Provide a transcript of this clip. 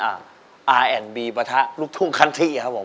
อาแอนบีประทะลูกทุ่งคันที่ครับผม